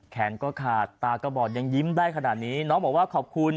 แขนก็ขาดตาก็บอดยังยิ้มได้ขนาดนี้น้องบอกว่าขอบคุณ